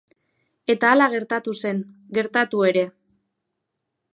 Eta hala gertatu zen, gertatu ere.